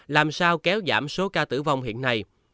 làm sao kéo giảm số ca tử vong hiện nay